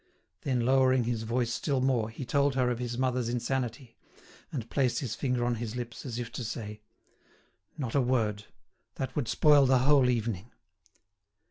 Then lowering his voice still more he told her of his mother's insanity, and placed his finger on his lips, as if to say: "Not a word; that would spoil the whole evening."